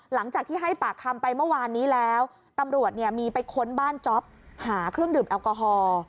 หลังจากที่ให้ปากคำไปเมื่อวานนี้แล้วตำรวจเนี่ยมีไปค้นบ้านจ๊อปหาเครื่องดื่มแอลกอฮอล์